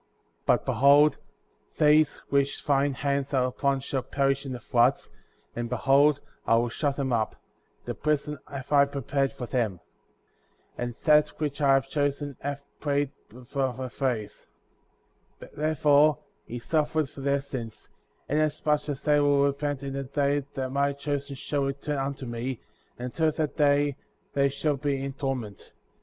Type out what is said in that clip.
38. But behold, these which thine eyes are upon shall perish in the floods;^ and behold, I will shut them up ; a prison have I prepared for them.* 39. And That which I have chosen hath plead before my face. Wherefore, he suffereth for their sins;^ inasmuch as they will repent in the day that my Chosen* shall return unto me, and until that day they shall be in torment ; 40.